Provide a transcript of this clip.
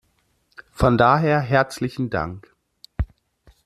Von daher herzlichen Dank!